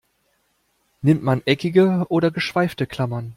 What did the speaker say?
Nimmt man eckige oder geschweifte Klammern?